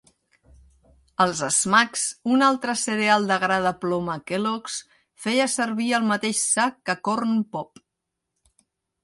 Els Smacks, un altre cereal de gra de ploma Kellogg's, feia servir el mateix sac que Corn Pop.